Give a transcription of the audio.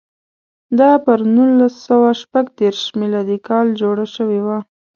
دا پر نولس سوه شپږ دېرش میلادي کال جوړه شوې وه.